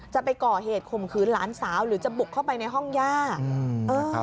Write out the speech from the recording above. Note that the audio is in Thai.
จะไปก่อเหตุข่มขืนหลานสาวหรือจะบุกเข้าไปในห้องย่าอืมเออ